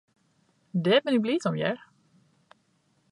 Dêr bin ik bliid om, hear.